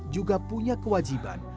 juga punya kewajiban